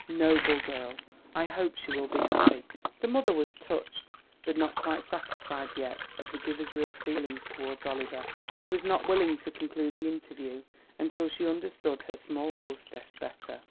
"Noble girl! I hope she will be happy." The mother was touched. But not quite satisfied yet of the giver's real feelings towards Oliver, she was not willing to conclude the interview until she understood her small hostess better.